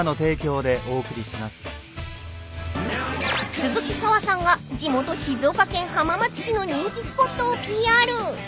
［鈴木砂羽さんが地元静岡県浜松市の人気スポットをＰＲ］